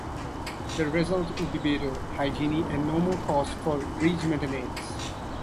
The result would be better hygiene and no more costs for bridge maintenance.